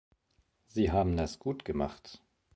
Sie haben das gut gemacht.